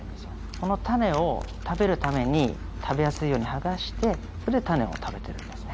この種を食べるために食べやすいようにはがしてそれで種を食べてるんですね